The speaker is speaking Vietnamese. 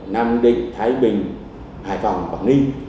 nam định thái bình hải phòng quảng ninh